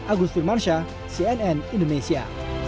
agus firmansyah cnn indonesia